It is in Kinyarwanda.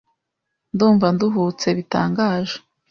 Ndumva nduhutse bitangaje.